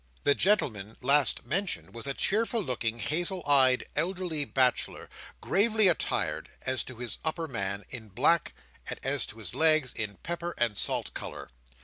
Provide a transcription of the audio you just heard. The gentleman last mentioned was a cheerful looking, hazel eyed elderly bachelor: gravely attired, as to his upper man, in black; and as to his legs, in pepper and salt colour.